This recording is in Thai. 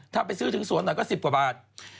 ถ้าไปซื้อถึงสวนหน่อยก็๑๐กว่าบาท